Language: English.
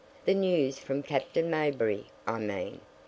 the news from Captain Mayberry, I mean.